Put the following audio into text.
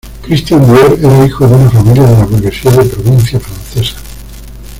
Christian Dior era hijo de una familia de la burguesía de provincias francesa.